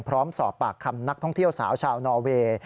พร้อมสอบปากคำนักท่องเที่ยวสาวชาวนอเวย์